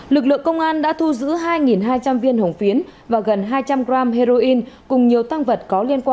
lực lượng công an đã thu giữ hai hai trăm linh viên hồng phiến và gần hai trăm linh g heroin cùng nhiều tăng vật có liên quan